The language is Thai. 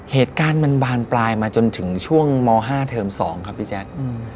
เหตุการณ์มันบานปลายมาจนถึงช่วงม๕เทอม๒ครับพี่แจ๊ค